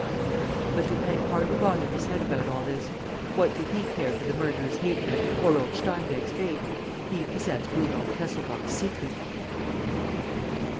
'" But Lupin hardly bothered his head about all this. What did he care for the murderer's hatred or old Steinweg's fate? He possessed Rudolf Kesselbach's secret!